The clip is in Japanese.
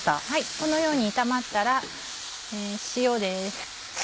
このように炒まったら塩です。